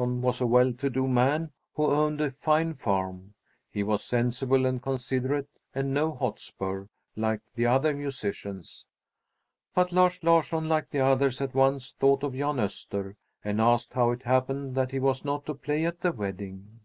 Lars Larsson was a well to do man who owned a fine farm. He was sensible and considerate and no hotspur, like the other musicians. But Lars Larsson, like the others, at once thought of Jan Öster, and asked how it happened that he was not to play at the wedding.